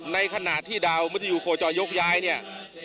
ในขณะที่ดาวมัธยูโคจรยกย้ายเนี่ย